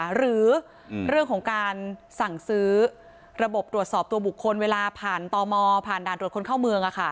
หรือเรื่องของการสั่งซื้อระบบตรวจสอบตัวบุคคลเวลาผ่านตมผ่านด่านตรวจคนเข้าเมือง